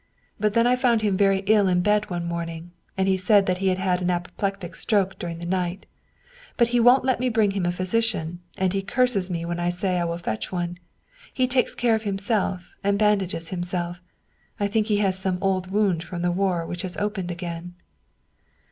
But then I found him very ill in bed one morning, and he said that he had had an apoplectic stroke during the night. But he won't let me bring him a physician, and he curses me when I say I will fetch one. He takes care of himself, and bandages himself. I think he has some old wound from the war, which has opened again."